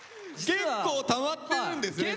結構たまってるんですね